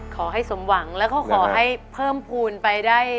ขอให้สมหวังแล้วก็ขอให้เพิ่มภูมิไปได้